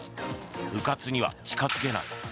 うかつには近付けない。